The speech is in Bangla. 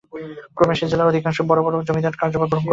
ক্রমে সে জেলার অধিকাংশ বড়ো বড়ো জমিদারের কার্যভার গ্রহণ করিল।